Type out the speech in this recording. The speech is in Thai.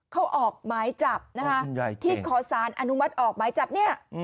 เขาออกหมายจับนะคะที่ขอสารอนุมัติออกหมายจับเนี่ย